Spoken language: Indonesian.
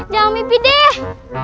jangan mimpi deh